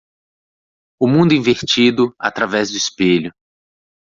O mundo invertido através do espelho.